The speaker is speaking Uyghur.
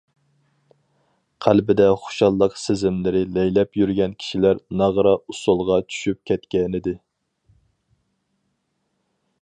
قەلبىدە خۇشاللىق سېزىملىرى لەيلەپ يۈرگەن كىشىلەر ناغرا- ئۇسسۇلغا چۈشۈپ كەتكەنىدى.